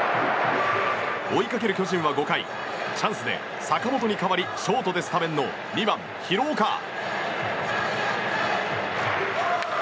追いかける巨人は５回チャンスで坂本に代わりショートでスタメンの２番、廣岡。